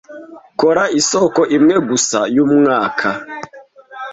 kora isoko imwe gusa yumwaka